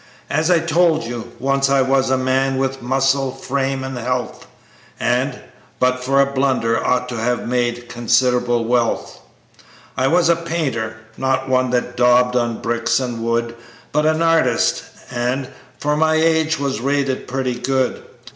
As I told you, once I was a man, with muscle, frame, and health, And but for a blunder ought to have made considerable wealth. "I was a painter not one that daubed on bricks and wood, But an artist, and for my age, was rated pretty good.